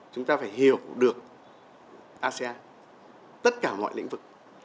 chúng ta phải hiểu được asean tất cả mọi lĩnh vực